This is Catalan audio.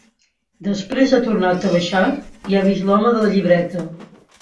Després ha tornat a baixar i ha vist l'home de la llibreta.